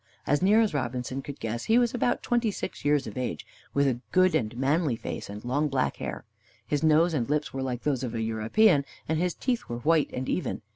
As near as Robinson could guess, he was about twenty six years of age, with a good and manly face, and long black hair. His nose and lips were like those of a European, and his teeth were white and even.